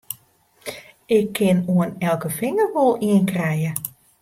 Ik kin oan elke finger wol ien krije!